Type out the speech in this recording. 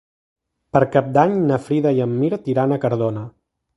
Per Cap d'Any na Frida i en Mirt iran a Cardona.